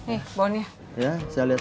ini udah enak